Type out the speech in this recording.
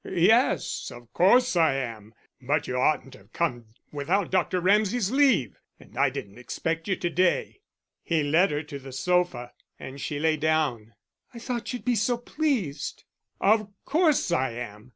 "Yes, of course I am. But you oughtn't to have come without Dr. Ramsay's leave. And I didn't expect you to day." He led her to the sofa, and she lay down. "I thought you'd be so pleased." "Of course I am!"